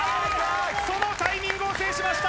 そのタイミングを制しました